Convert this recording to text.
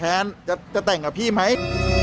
แทนจะแต่งกับพี่ไหม